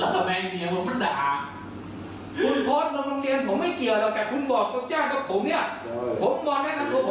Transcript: แต่คุณบอกคุณเจ้าครับผม